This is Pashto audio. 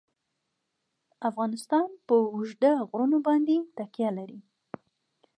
افغانستان په اوږده غرونه باندې تکیه لري.